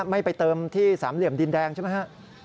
ไม่ไปเติมที่สามเหลี่ยมดินแดงใช่ไหมครับ